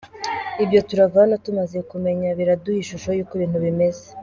Ibyo turava hano tumaze kumenya biraduha ishusho y’uko ibintu bimeze.